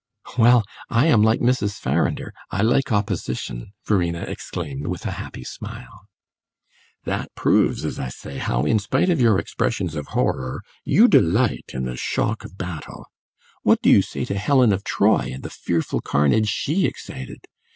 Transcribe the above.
"Well, I am like Mrs. Farrinder; I like opposition," Verena exclaimed, with a happy smile. "That proves, as I say, how in spite of your expressions of horror you delight in the shock of battle. What do you say to Helen of Troy and the fearful carnage she excited?